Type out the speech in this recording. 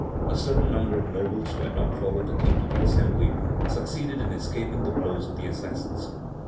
A certain number of nobles who had not followed the King to the Assembly succeeded in escaping the blows of the assassins.